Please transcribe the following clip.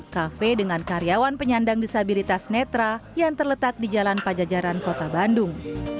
kafe dengan karyawan penyandang disabilitas netra yang terletak di jalan pajajaran kota bandung